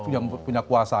yang punya kuasa